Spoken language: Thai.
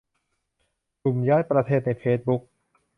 กลุ่มย้ายประเทศในเฟซบุ๊ก